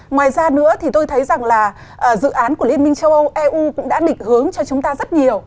ngoài ra nữa thì tôi thấy rằng là dự án của liên minh châu âu eu cũng đã định hướng cho chúng ta rất nhiều